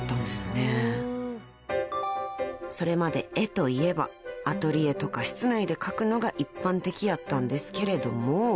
［それまで絵といえばアトリエとか室内で描くのが一般的やったんですけれども］